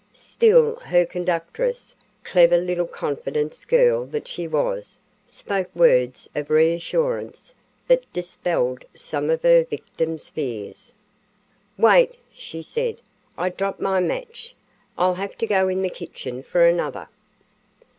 Still her conductress, clever little confidence girl that she was, spoke words of reassurance that dispelled some of her victim's fears. "Wait," she said; "I dropped my match. I'll have to go in the kitchen for another."